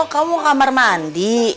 kamu mau ke kamar mandi